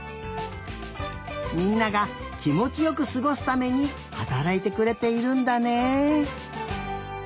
みんながきもちよくすごすためにはたらいてくれているんだね。